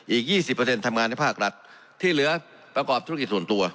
อีก๒๐ทำงานในภาครัฐที่เหลือประกอบธุรกิจส่วนตัว